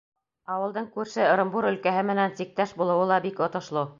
Ауылдың күрше Ырымбур өлкәһе менән сиктәш булыуы ла бик отошло.